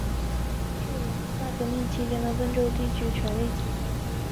是文化大革命期间的温州地区权力机关。